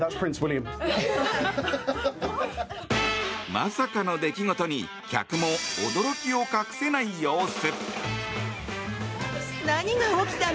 まさかの出来事に客も驚きを隠せない様子。